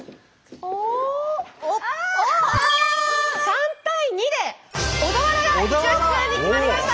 ３対２で小田原がイチオシツアーに決まりました！